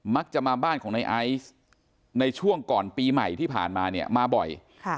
มักจะมาบ้านของในไอซ์ในช่วงก่อนปีใหม่ที่ผ่านมาเนี่ยมาบ่อย